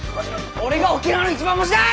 俺が沖縄の一番星だい！